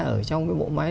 ở trong cái bộ máy